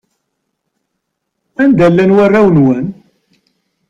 Anda i llan warraw-nwen?